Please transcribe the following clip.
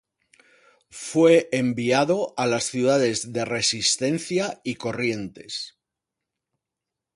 Fue enviado a las ciudades de Resistencia y Corrientes.